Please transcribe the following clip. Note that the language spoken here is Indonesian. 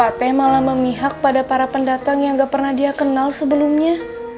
sate malah memihak pada para pendatang yang gak pernah dia kenal sebelumnya